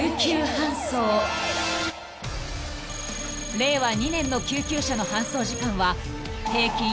［令和２年の救急車の搬送時間は］